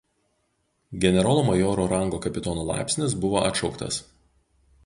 Generolo majoro rango kapitono laipsnis buvo atšauktas.